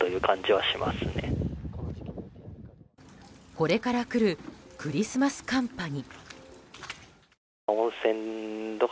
これから来るクリスマス寒波に。